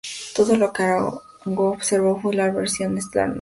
Todo lo que Arago observó fue la aberración estelar normal.